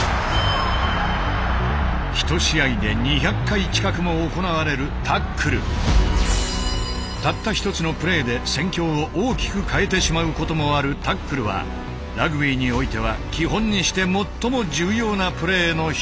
一試合で２００回近くも行われるたった一つのプレーで戦況を大きく変えてしまうこともあるタックルはラグビーにおいては基本にして最も重要なプレーの一つ。